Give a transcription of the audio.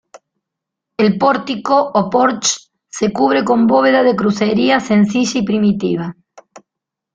El pórtico o porche se cubre con bóveda de crucería sencilla y primitiva.